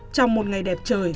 trong một ngày đẹp trời